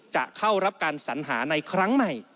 จะเข้ารับการสัญหาในครั้งใหม่